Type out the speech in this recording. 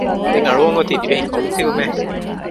ދެން އަޅުވަން އޮތީ ދިވެހި ކޮން ފިލްމެއް؟